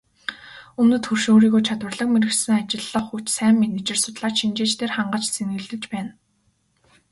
Өмнөд хөрш өөрийгөө чадварлаг мэргэшсэн ажиллах хүч, сайн менежер, судлаач, шинжээчдээр хангаж цэнэглэж байна.